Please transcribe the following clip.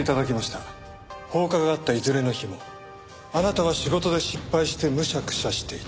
放火があったいずれの日もあなたは仕事で失敗してむしゃくしゃしていた。